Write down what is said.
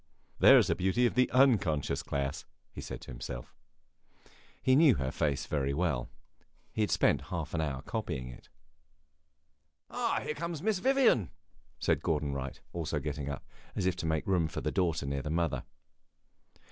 "There 's a beauty of the unconscious class!" he said to himself. He knew her face very well; he had spent half an hour in copying it. "Here comes Miss Vivian!" said Gordon Wright, also getting up, as if to make room for the daughter near the mother.